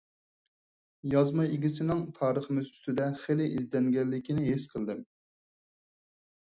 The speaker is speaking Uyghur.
يازما ئىگىسىنىڭ تارىخىمىز ئۈستىدە خېلى ئىزدەنگەنلىكىنى ھېس قىلدىم.